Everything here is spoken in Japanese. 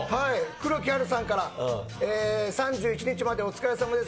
黒木華さんから、３１日までお疲れさまです。